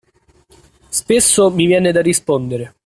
Spesso mi viene da rispondere.